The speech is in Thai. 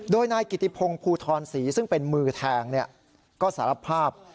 โดยนายกิติพงศ์ภูทรศรีซึ่งเป็นมือแทงก็สารภาพ